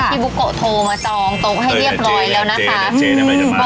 พี่บุก๊กโทรมาจองตุ๊กให้เรียบร้อยแล้วนะคะ